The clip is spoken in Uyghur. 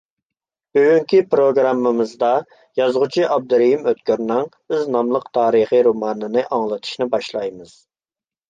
بۈگۈنكى پروگراممىمىزدا يازغۇچى ئابدۇرېھىم ئۆتكۈرنىڭ ئىز ناملىق تارىخى رومانىنى ئاڭلىتىشنى باشلايمىز.